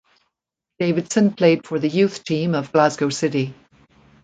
Davidson played for the youth team of Glasgow City.